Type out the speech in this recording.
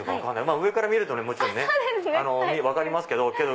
上から見るともちろんね分かりますけど。